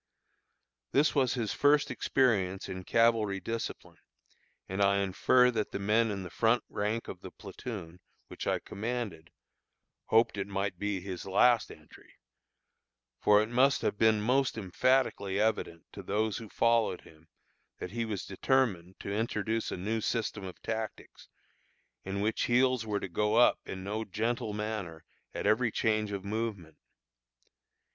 This was his first experience in cavalry discipline; and I infer that the men in the front rank of the platoon, which I commanded, hoped it might be his last entry; for it must have been most emphatically evident to those who followed him that he was determined to introduce a new system of tactics, in which heels were to go up in no gentle manner at every change of movement.